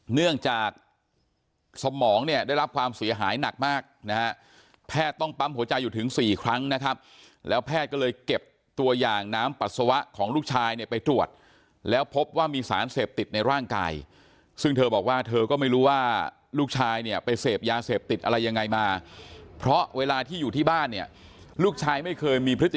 เนื่องจากสมองเนี่ยได้รับความเสียหายหนักมากนะฮะแพทย์ต้องปั๊มหัวใจอยู่ถึงสี่ครั้งนะครับแล้วแพทย์ก็เลยเก็บตัวอย่างน้ำปัสสาวะของลูกชายเนี่ยไปตรวจแล้วพบว่ามีสารเสพติดในร่างกายซึ่งเธอบอกว่าเธอก็ไม่รู้ว่าลูกชายเนี่ยไปเสพยาเสพติดอะไรยังไงมาเพราะเวลาที่อยู่ที่บ้านเนี่ยลูกชายไม่เคยมีพฤติ